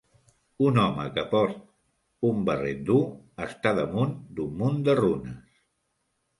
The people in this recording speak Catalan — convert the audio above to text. Un home que port un barret dur està damunt d'un munt de runes.